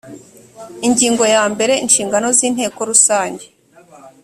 ingingo ya mbere inshingano z inteko rusange